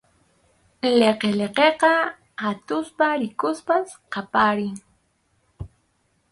Liqiliqiqa atuqta rikuspas qaparin.